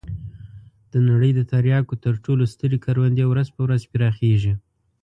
د نړۍ د تریاکو تر ټولو سترې کروندې ورځ په ورځ پراخېږي.